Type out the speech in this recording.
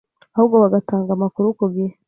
ahubwo bagatanga amakuru kugihe